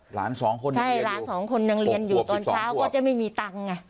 หลานสองคนใช่หลานสองคนยังเรียนอยู่ตอนเช้าก็จะไม่มีตังค์ไง